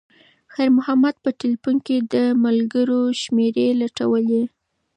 خیر محمد په تلیفون کې د ملګرو شمېرې لټولې.